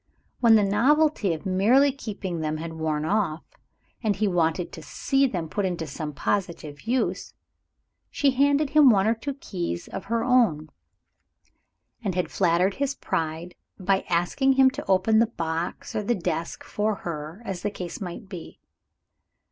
When the novelty of merely keeping them had worn off, and when he wanted to see them put to some positive use, she had added one or two keys of her own, and had flattered his pride by asking him to open the box or the desk for her, as the case might be.